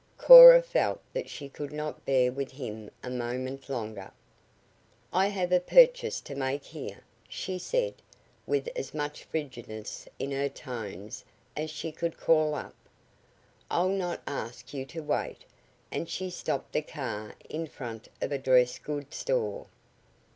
Cora felt that she could not bear with him a moment longer. "I have a purchase to make here," she said with as much frigidness in her tones as she could call up. "I'll not ask you to wait," and she stopped the car in front of a dress goods store.